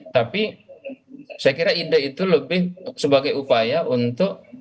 tapi saya kira ide itu lebih sebagai upaya untuk